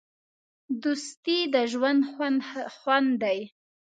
دوستي د ژوند خوند دی.